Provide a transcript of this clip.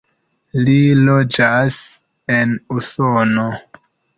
Li loĝas en Usono.